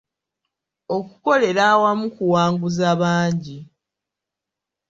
Okukolera awamu kuwanguza bangi.